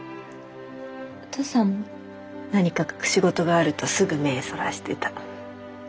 何か隠し事があるとすぐ目そらしてた。